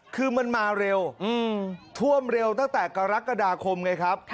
คือมันมาเร็วท่วมเร็วตั้งแต่กรกฎาคมไงครับ